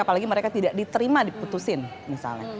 apalagi mereka tidak diterima diputusin misalnya